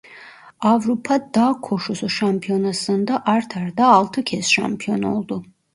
Avrupa Dağ Koşusu Şampiyonası'nda art arda altı kez şampiyon oldu.